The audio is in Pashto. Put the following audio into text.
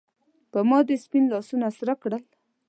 پۀ ما دې سپین لاسونه سرۀ کړل